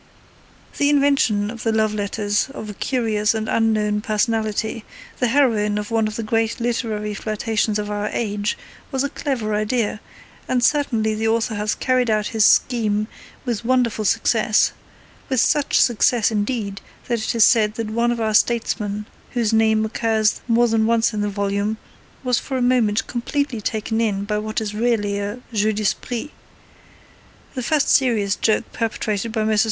The invention of the love letters of a curious and unknown personality, the heroine of one of the great literary flirtations of our age, was a clever idea, and certainly the author has carried out his scheme with wonderful success; with such success indeed that it is said that one of our statesmen, whose name occurs more than once in the volume, was for a moment completely taken in by what is really a jeu d'esprit, the first serious joke perpetrated by Messrs.